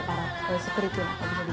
para sekretir atau jadi apa